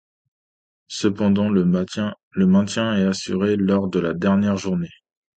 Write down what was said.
Cependant, le maintien est assuré lors de la dernière journée.